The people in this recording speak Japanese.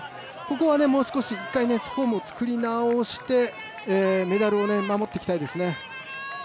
ここはもう少し、１回フォームを作り直してメダルを守っていきたいですね。